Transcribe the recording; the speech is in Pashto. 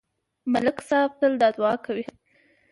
ملک صاحب تل دا دعا کوي.